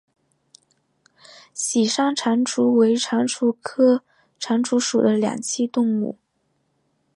喜山蟾蜍为蟾蜍科蟾蜍属的两栖动物。